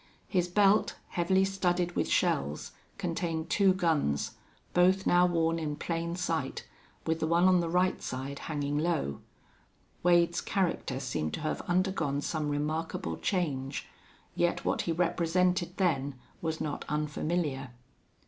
His belt, heavily studded with shells, contained two guns, both now worn in plain sight, with the one on the right side hanging low. Wade's character seemed to have undergone some remarkable change, yet what he represented then was not unfamiliar.